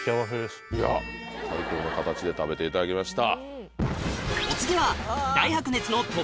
いや最高の形で食べていただきました。